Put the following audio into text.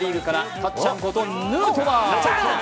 たっちゃんこと、ヌートバー。